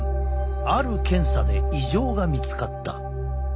ある検査で異常が見つかった。